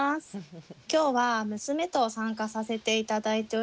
今日は娘と参加させて頂いております。